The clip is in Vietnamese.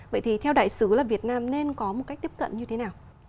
vậy thì theo đại sứ là việt nam nên có một cách tiếp cận như thế nào